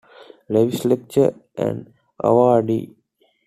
Lewis Lecturer and Awardee.